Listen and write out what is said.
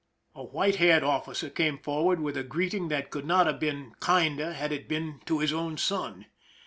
A white haired officer came forward with a greeting that could not have been kinder had it been to his own son.